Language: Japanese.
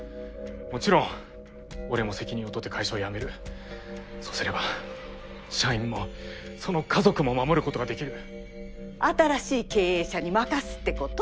もちろん俺も責任を取って会社を辞めるそうすれば社員もその家族も守ること新しい経営者に任すってこと？